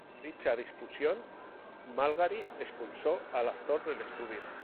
En dicha discusión, Magaldi expulsó al actor del estudio.